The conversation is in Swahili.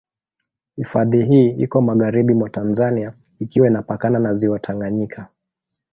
Hifadhi hii iko magharibi mwa Tanzania ikiwa inapakana na Ziwa Tanganyika.